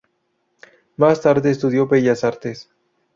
Má tarde estudió Bellas Artes.